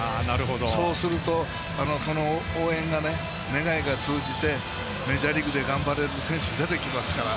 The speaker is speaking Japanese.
そうすると、その応援が願いが通じてメジャーリーグで頑張れる選手が出てきますから。